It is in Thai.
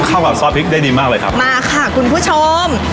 เข้ากับซอสพริกได้ดีมากเลยครับมาค่ะคุณผู้ชม